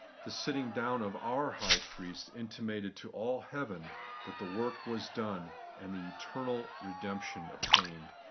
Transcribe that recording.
The sitting down of our High Priest intimated to all heaven that the work was done, and the 'eternal redemption obtained.'